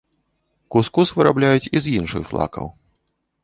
Кус-кус вырабляюць і з іншых злакаў.